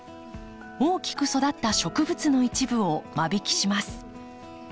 大きく育った植物の一部を間引きします。